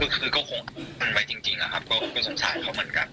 คือก็คงมันไว้จริงนะครับก็สงสารเขาเหมือนกัน